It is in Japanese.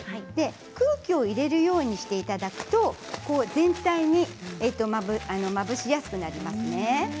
空気を入れるようにしていただくと全体にまぶしやすくなりますね。